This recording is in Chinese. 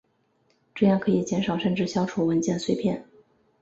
这样可以减少甚至消除文件碎片。